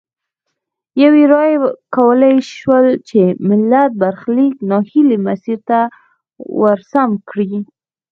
یوې رایې کولای شول ملت برخلیک نا هیلي مسیر ته ورسم کړي.